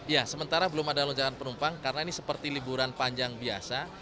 ya sementara belum ada lonjakan penumpang karena ini seperti liburan panjang biasa